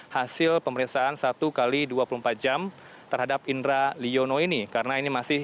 hasil pemeriksaan satu x dua puluh empat jam terhadap indra liono ini